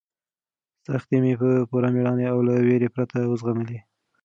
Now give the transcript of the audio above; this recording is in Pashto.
سختۍ مې په پوره مېړانه او له وېرې پرته وزغملې.